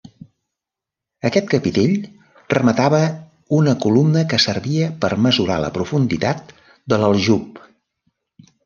Aquest capitell rematava una columna que servia per mesurar la profunditat de l'aljub.